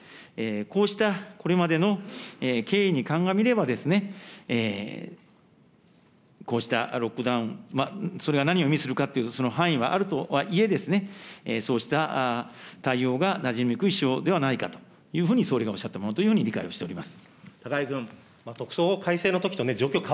こうしたこれまでの経緯に鑑みれば、こうしたロックダウン、それが何を意味するかという、範囲はあるとはいえ、そうした対応がなじみにくい手法ではないかというふうに総理がおっしゃったというふうに理解をしております。